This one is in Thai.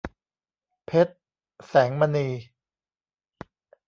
เพชร แสงมณี